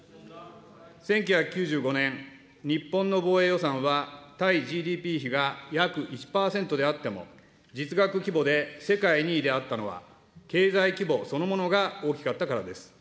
１９９５年、日本の防衛予算は、対ＧＤＰ比が約１％であっても、実額規模で世界２位であったのは、経済規模そのものが大きかったからです。